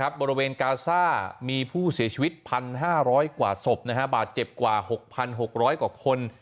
บริเวณกาซ่ามีผู้เสียชีวิต๑๕๐๐กว่าศพบาดเจ็บกว่า๖๖๐๐กว่าคน